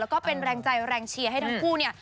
แล้วก็เป็นแรงใจแรงเชียร์ให้ทั้งคู่เนี่ย